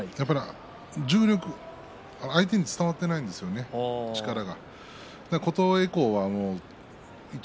重力が相手に伝わっていないんですよね力が。